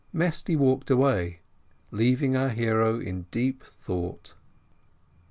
Mesty walked away, leaving our hero in deep thought.